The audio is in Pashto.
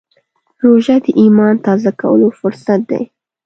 روژه د ایمان تازه کولو فرصت دی.